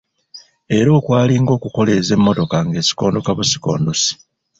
Era okwalinga okukoleeza emmotoka ng’esikondoka busikondosi.